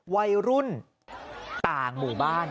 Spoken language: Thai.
วัยรุ่นต่างหมู่บ้าน